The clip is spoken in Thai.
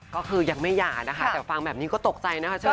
ก็คือยังไม่หย่านะคะแต่ฟังแบบนี้ก็ตกใจนะคะเชอ